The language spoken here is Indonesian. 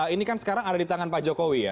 ini kan sekarang ada di tangan pak jokowi ya